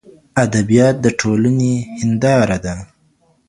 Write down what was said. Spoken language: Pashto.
ادبیات د ټولني هنداره ده.